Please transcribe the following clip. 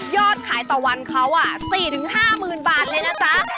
ขายต่อวันเขา๔๕๐๐๐บาทเลยนะจ๊ะ